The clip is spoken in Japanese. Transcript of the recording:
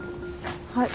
はい。